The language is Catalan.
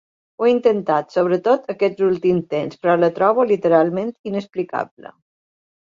Ho he intentat, sobretot aquests últims temps, però la trobo literalment inexplicable.